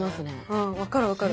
うん分かる分かる。